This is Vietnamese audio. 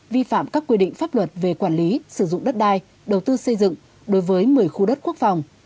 vi phạm các quy định pháp luật về quản lý sử dụng đất đai đầu tư xây dựng đối với một mươi khu đất quốc phòng